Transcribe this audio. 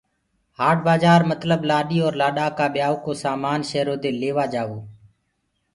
هآٽ بآجآر متلب لآڏي اور لآڏآ ڪآ ٻيآيوٚ ڪو سآمآن شيرو دي لي وآ جآوو۔